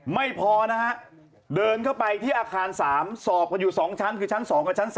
ไม่พอนะฮะเดินเข้าไปที่อาคาร๓สอบกันอยู่๒ชั้นคือชั้น๒กับชั้น๓